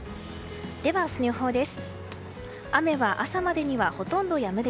では明日の予報です。